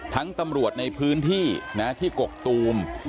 ทั้งตำรวจในพื้นที่กกตูม